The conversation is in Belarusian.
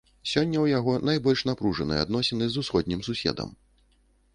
Сёння ў яго найбольш напружаныя адносіны з усходнім суседам.